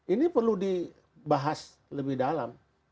ini perlu dibahas lebih dalam